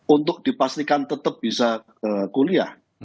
untuk dipastikan tetap bisa kuliah